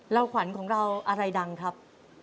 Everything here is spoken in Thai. ขวัญของเราอะไรดังครับ